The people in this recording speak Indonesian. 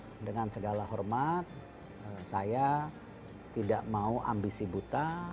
saya dengan segala hormat saya tidak mau ambisi buta